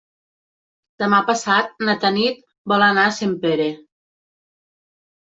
Demà passat na Tanit vol anar a Sempere.